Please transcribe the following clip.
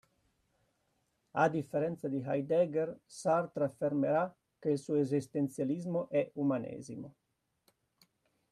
A differenza di Heidegger Sartre affermerà che il suo esistenzialismo è umanesimo.